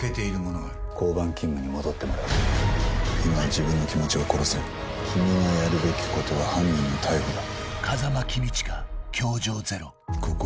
「交番勤務に戻ってもらう」「今は自分の気持ちを殺せ」「君がやるべきことは犯人の逮捕だ」